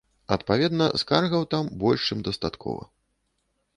Адпаведна, скаргаў там больш чым дастаткова.